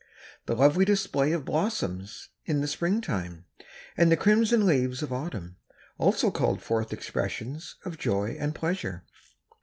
The lovely display of blossoms in the spring time, and the crimson leaves of autumn, also called forth expressions of joy and pleasure.